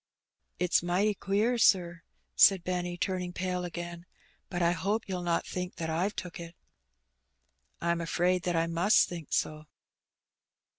'' ''It's mighty queer, sir," said Benny, turning pale again; "but I hope you'll not think that I've took it." " I'm afraid that I must think so."